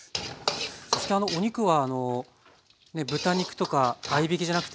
そしてお肉はあの豚肉とか合いびきじゃなくて牛肉なんですね？